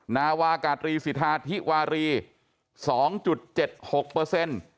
นาวากาตรีสิทธาธิวารี๒๗๖เปอร์เซ็นต์